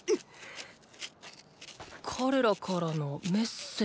⁉彼らからのメッセージ？